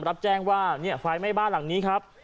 รับแจ้งว่าไฟไหม้บ้านหลังนี้ครับ